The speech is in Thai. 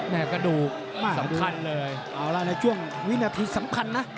แม่กระดูกสำคัญเลยหมากดูเอาล่ะในช่วงวินาภีร์สำคัญนะ